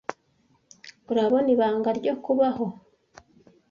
Urabona, ibanga ryo kubaho